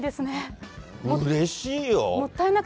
うれしいよ。